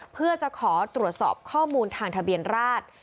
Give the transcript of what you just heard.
เพื่อจะขอตรวจสอบข้อมูลทางทะเบียนราช